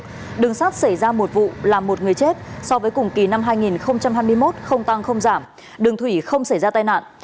trong số này đường sát xảy ra một vụ làm một người chết so với cùng kỳ năm hai nghìn hai mươi một không tăng không giảm đường thủy không xảy ra tai nạn